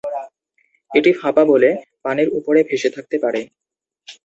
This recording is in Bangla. এটি ফাঁপা বলে পানির উপরে ভেসে থাকতে পারে।